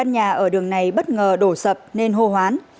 nhà ở đường này bất ngờ đổ sập nên hô hoán